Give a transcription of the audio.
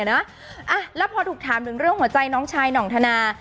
แล้วพอถูกถามถึงเรื่องหัวใจน้องชายหน่องธนา